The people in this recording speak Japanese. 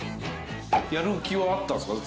やる気はあったんすか？